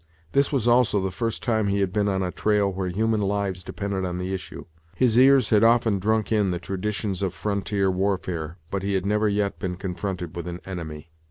This was also the first time he had been on a trail where human lives depended on the issue. His ears had often drunk in the traditions of frontier warfare, but he had never yet been confronted with an enemy.